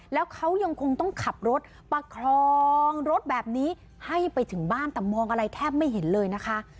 แล้วเขายังคงต้องขับรถประคองรถแบบนี้ให้ไปถึงบ้านแต่มองอะไรแทบไม่เห็นเลยนะคะ